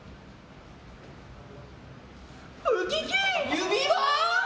指輪？